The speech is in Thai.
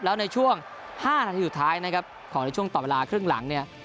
แล้วในช่วง๕นาทีสุดท้ายนะครับของในช่วงต่อเวลาครึ่งหลังเนี่ย